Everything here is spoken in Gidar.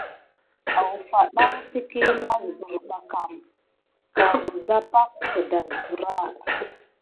Awfaɗan təkiy nasbər ɓa kam kawusa pak gedasbirba.